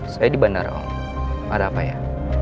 saya di bandara om ada apa ya